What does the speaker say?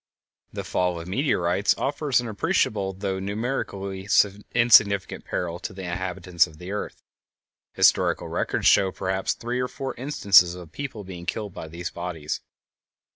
The fall of meteorites offers an appreciable, though numerically insignificant, peril to the inhabitants of the earth. Historical records show perhaps three or four instances of people being killed by these bodies.